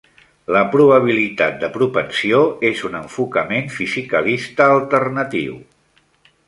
La probabilitat de propensió és un enfocament fisicalista alternatiu.